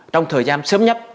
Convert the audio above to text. trong thời gian sớm nhất